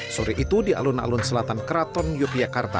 sore itu di alun alun selatan keraton yogyakarta